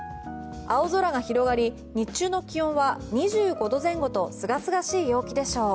青空が広がり日中の気温は２５度前後とすがすがしい陽気でしょう。